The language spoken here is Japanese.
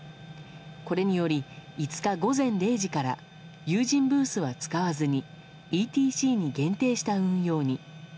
これにより５日午前０時から有人ブースは使わずにＥＴＣに限定した運用に。